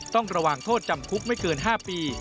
ต้องระวังโทษจำคุกไม่เกิน๕ปี